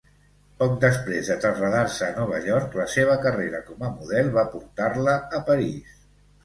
Poc després de traslladar-se a Nova York, la seva carrera com a model va portar-la a París.